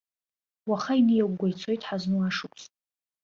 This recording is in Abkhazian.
Уаха иниагәгәа ицоит ҳазну ашықәс.